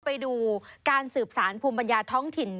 โอเคเราไปดูการสืบศาลภูมิปัญญาท้องถิ่น